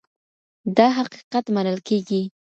دا حقيقت منل کيږي.